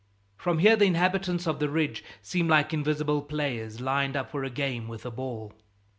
From here, the inhabitants of the ridge seem like invisible players, lined up for a game with a ball.